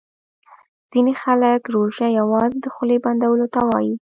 ځیني خلګ روژه یوازي د خولې بندولو ته وايي